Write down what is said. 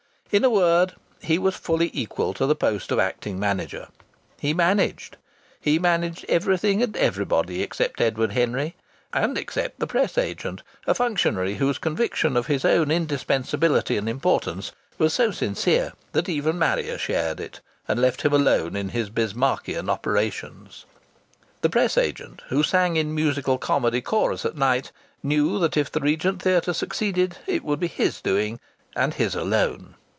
In a word, he was fully equal to the post of acting manager. He managed! He managed everything and everybody except Edward Henry, and except the press agent, a functionary whose conviction of his own indispensability and importance was so sincere that even Marrier shared it and left him alone in his Bismarckian operations. The press agent, who sang in musical comedy chorus at night, knew that if the Regent Theatre succeeded it would be his doing and his alone.